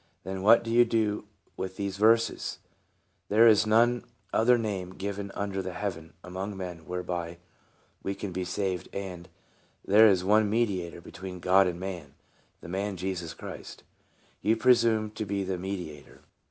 Then what do you do with these verses :' There is none other name given under heaven among men whereby we can be saved,' and, ' There is one mediator between God and man, the man Christ Jesus' ? You presume to be the medi ator.